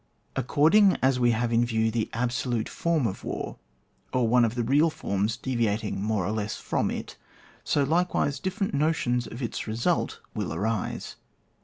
AocoRDiNa as we have in view the abso lute form of war, or one of the real forms deviating more or less from it, so like wise different notions of its result will arise.